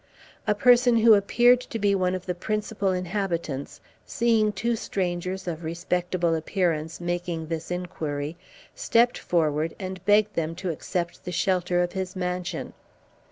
A person who appeared to be one of the principal inhabitants, seeing two strangers of respectable appearance making this inquiry, stepped forward and begged them to accept the shelter of his mansion.